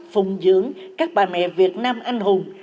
phùng dưỡng các bà mẹ việt nam anh hùng